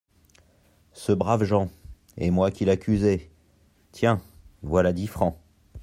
Ce brave Jean !… et moi qui l’accusais !… tiens ! voilà dix francs !